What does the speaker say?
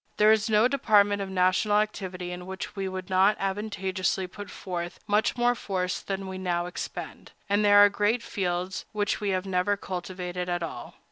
There is no department of national activity in which we could not advantageously put forth much more force than we now expend; and there are great fields which we have never cultivated at all.